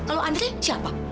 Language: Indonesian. kalau andre siapa